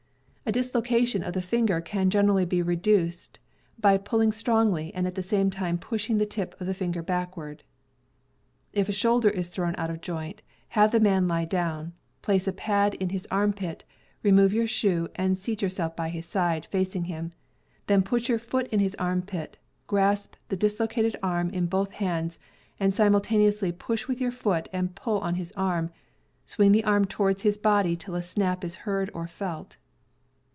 A dislocation of the finger can gener ally be reduced by pulling strongly and at the same time pushing the tip of the finger backward. 308 CAMPING AND WOODCRAFT If a shoulder is thrown out of joint, have the man he down, I place a pad in his armpit, remove your shoe, and seat yourself by his side, facing him; then put your foot in his armpit, grasp the dislocated arm in both hands, and simultaneously push with your foot, pull on his arm, and swing the arm toward his body till a snap is heard or felt.